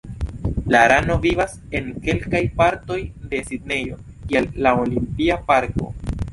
La rano vivas en kelkaj partoj de Sidnejo, kiel la olimpia parko.